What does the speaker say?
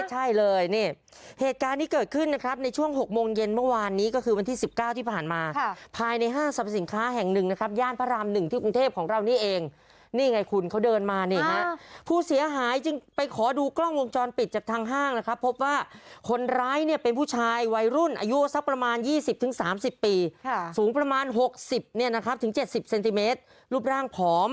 ใช่เลยนี่เหตุการณ์ที่เกิดขึ้นนะครับในช่วง๖โมงเย็นเมื่อวานนี้ก็คือวันที่๑๙ที่ผ่านมาภายในห้างสรรพสินค้าแห่งหนึ่งนะครับย่านพระราม๑ที่กรุงเทพของเรานี่เองนี่ไงคุณเขาเดินมานี่ฮะผู้เสียหายจึงไปขอดูกล้องวงจรปิดจากทางห้างนะครับพบว่าคนร้ายเนี่ยเป็นผู้ชายวัยรุ่นอายุสักประมาณ๒๐๓๐ปีสูงประมาณ๖๐เนี่ยนะครับถึง๗๐เซนติเมตรรูปร่างผอม